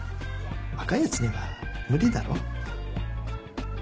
若いやつには無理だろ？